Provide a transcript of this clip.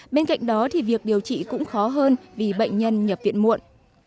bên cạnh đó thì việc điều trị cũng khó hơn vì bệnh nhân nhập viện muộn